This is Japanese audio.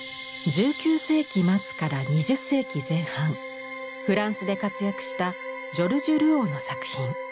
１９世紀末から２０世紀前半フランスで活躍したジョルジュ・ルオーの作品。